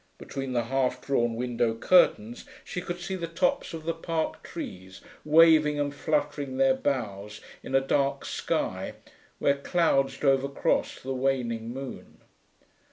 Between the half drawn window curtains she could see the tops of the Park trees, waving and fluttering their boughs in a dark sky, where clouds drove across the waning moon.